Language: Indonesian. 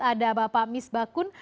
ada bapak mis bakun